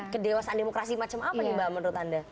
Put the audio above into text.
kedewasan demokrasi macam apa ini mbak menurut anda